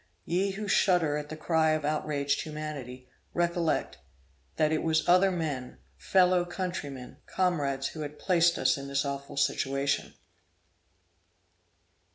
Ye who shudder at the cry of outraged humanity, recollect, that it was other men, fellow countrymen, comrades who had placed us in this awful situation!